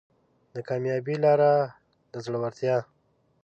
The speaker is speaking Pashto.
د کامیابۍ لاره د زړورتیا